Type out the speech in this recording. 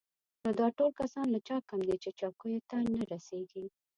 نو دا ټول کسان له چا کم دي چې چوکیو ته ونه رسېږي.